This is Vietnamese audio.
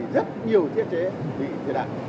rất nhiều thiết chế bị thiệt hại